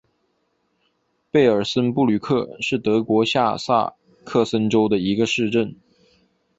贝尔森布吕克是德国下萨克森州的一个市镇。